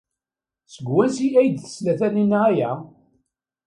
Seg wansi ay d-tesla Taninna aya?